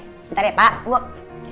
bentar ya pak